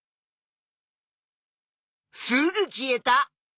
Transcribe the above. すぐ消えた。